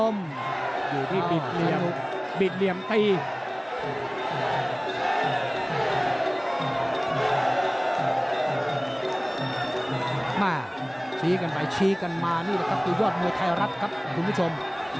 มวยไทยรัฐครับคุณผู้ชม